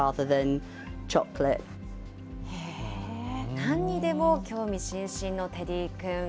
なんにでも興味津々のテディくん。